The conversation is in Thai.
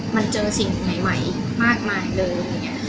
มันเจอสิ่งใหม่มากมายเลย